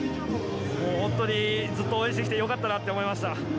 本当にずっと応援してきてよかったなと思いました。